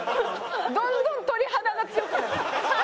どんどん鳥肌が強くなる。